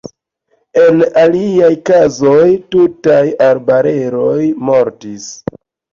En aliaj kazoj tutaj arbareroj mortis.